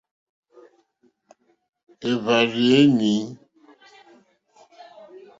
Èhvàrzù ya inèi.